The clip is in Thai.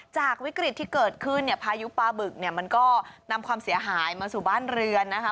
จากวิกฤตที่เกิดขึ้นเนี่ยพายุปลาบึกเนี่ยมันก็นำความเสียหายมาสู่บ้านเรือนนะคะ